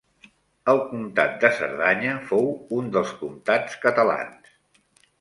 El Comtat de Cerdanya fou un dels comtats catalans.